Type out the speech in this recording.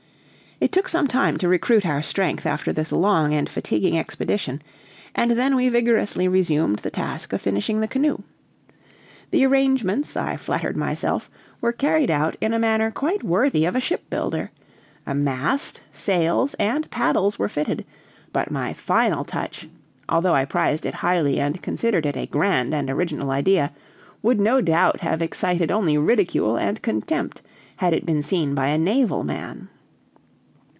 It took some time to recruit our strength after this long and fatiguing expedition, and then we vigorously resumed the task of finishing the canoe. The arrangements, I flattered myself, were carried out in a manner quite worthy of a ship builder; a mast, sails, and paddles were fitted, but my final touch, although I prized it highly and considered it a grand and original idea, would no doubt have excited only ridicule and contempt had it been seen by a naval man.